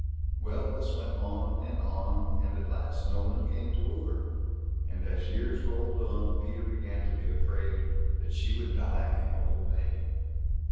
Well, this went on and on, and at last no one came to woo her, and as years rolled on, Peter began to be afraid that she would die an old maid.